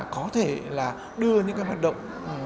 có thể là đưa những cái hoạt động